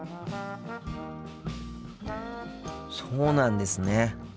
そうなんですね。